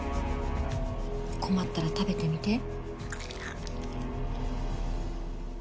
困ったら食べてみて。